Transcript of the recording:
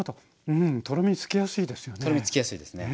うんとろみつきやすいですよね。